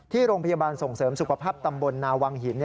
โรงพยาบาลส่งเสริมสุขภาพตำบลนาวังหิน